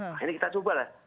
nah ini kita coba lah